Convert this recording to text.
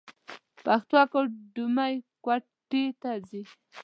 پښتو اکېډمۍ کوټي ته ځم.